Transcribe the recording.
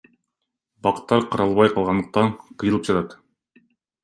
Бактар каралбай калгандыктан кыйылып жатат.